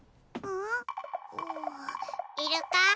うんいるか？